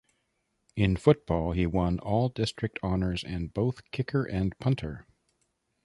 In football, he won All-District honors at both kicker and punter.